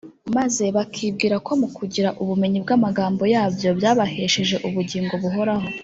maze bakibwira ko mu kugira ubumenyi bw’amagambo yabyo byabahesheje ubugingo buhoraho